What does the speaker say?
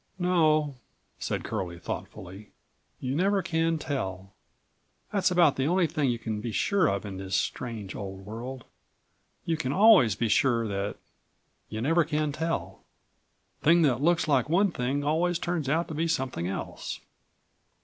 "No," said Curlie, thoughtfully, "you never can tell. That's about the only thing you can be sure of in this strange old world. You can always be sure that you never can tell. Thing that looks like one thing always turns out to be something else.